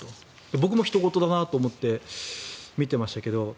僕もひと事だなと思って見てましたけど。